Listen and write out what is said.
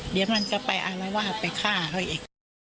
เดี๋ยวมันจะไปอารวาสไปฆ่าเขาอีก